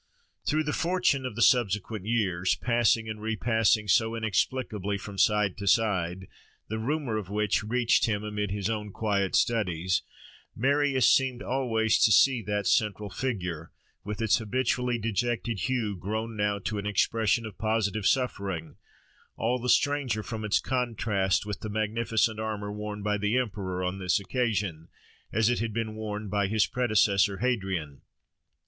Through the fortune of the subsequent years, passing and repassing so inexplicably from side to side, the rumour of which reached him amid his own quiet studies, Marius seemed always to see that central figure, with its habitually dejected hue grown now to an expression of positive suffering, all the stranger from its contrast with the magnificent armour worn by the emperor on this occasion, as it had been worn by his predecessor Hadrian.